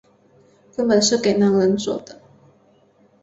根本是给男人做的